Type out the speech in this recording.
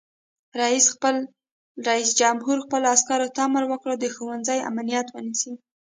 رئیس جمهور خپلو عسکرو ته امر وکړ؛ د ښوونځیو امنیت ونیسئ!